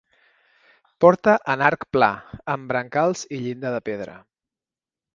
Porta en arc pla, amb brancals i llinda de pedra.